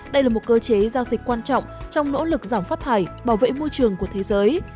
đây là một cơ chế giao dịch quan trọng trong nỗ lực giảm phát thải bảo vệ môi trường của thế giới